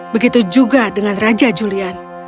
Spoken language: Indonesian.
begitu juga dengan raja julian